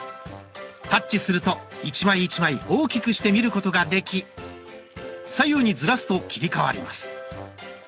タッチすると１枚１枚大きくして見ることができ左右にずらすと切り替わります。